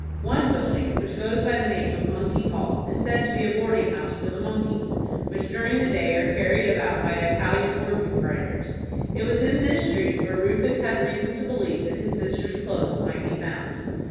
One building, which goes by the name of Monkey Hall, is said to be a boarding house for the monkeys, which during the day are carried about by Italian organ grinders. It was in this street where Rufus had reason to believe that his sister's clothes might be found.